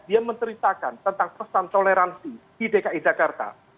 dia menceritakan tentang pesan toleransi di dki jakarta